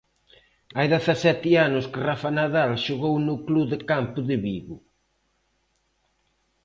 Hai dezasete anos que Rafa Nadal xogou no Club de Campo de Vigo.